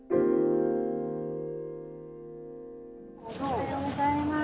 おはようございます。